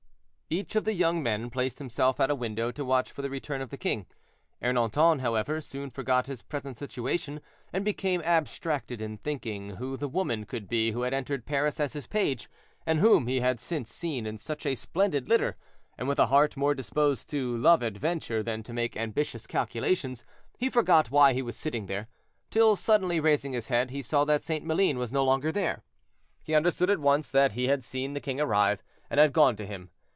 Each of the young men placed himself at a window to watch for the return of the king. Ernanton, however, soon forgot his present situation, and became abstracted in thinking who the woman could be who had entered Paris as his page, and whom he had since seen in such a splendid litter; and with a heart more disposed to love adventure than to make ambitious calculations, he forgot why he was sitting there, till, suddenly raising his head, he saw that St. Maline was no longer there. He understood at once that he had seen the king arrive, and had gone to him.